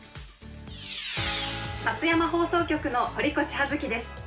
松山放送局の堀越葉月です。